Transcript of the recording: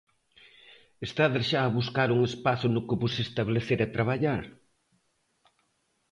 Estades xa a buscar un espazo no que vos establecer e traballar?